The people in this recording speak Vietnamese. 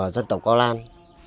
dân tộc câu lạc bộ